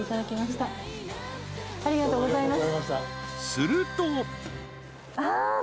［すると］